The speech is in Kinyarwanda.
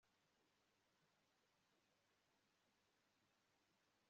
aragira ati abanyarwanda nibemere bige ikinyarwanda